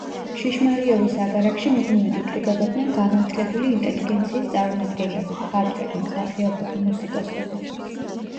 შიშმარიოვის აგარაკში მუდმივად იკრიბებოდნენ განათლებული ინტელიგენციის წარმომადგენლები: მხატვრები, მსახიობები, მუსიკოსები.